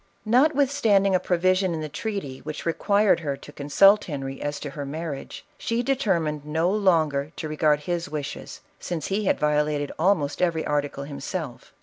Notwithstanding a provision in the treaty which re quired her to consult Henry as to her marriage, she determined no longer to regard his wishes, since he had violated almost every article himself.